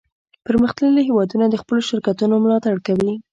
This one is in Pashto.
پرمختللي هیوادونه د خپلو شرکتونو ملاتړ کوي